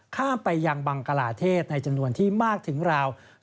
ข้ามไปยังบังกลาเทศในจำนวนที่มากถึงราว